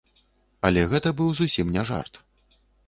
Але гэта быў зусім не жарт.